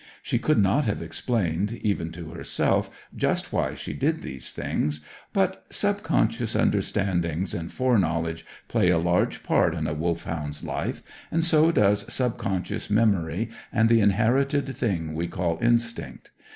She could not have explained, even to herself, just why she did these things; but sub conscious understanding and fore knowledge play a large part in a Wolfhound's life, and so does sub conscious memory and the inherited thing we call instinct.